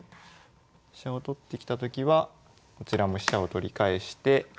飛車を取ってきたときはこちらも飛車を取り返して。